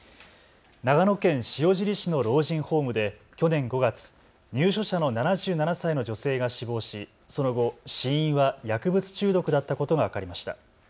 長野県塩尻市の老人ホームで去年５月、入所者の７７歳の女性が死亡し、その後、死因は薬物中毒だったことが分かりました。